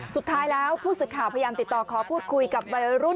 สุดท้ายแล้วผู้สื่อข่าวพยายามติดต่อขอพูดคุยกับวัยรุ่น